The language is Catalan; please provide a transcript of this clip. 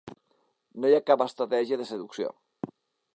No hi ha cap estratègia de seducció.